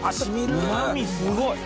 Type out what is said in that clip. うまみすごい！